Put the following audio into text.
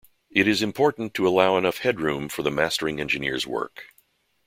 It is important to allow enough headroom for the mastering engineer's work.